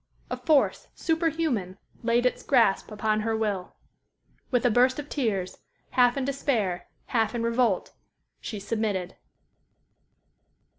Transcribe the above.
A force, superhuman, laid its grasp upon her will. With a burst of tears, half in despair, half in revolt, she submitted.